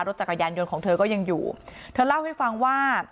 จักรยานยนต์ของเธอก็ยังอยู่เธอเล่าให้ฟังว่า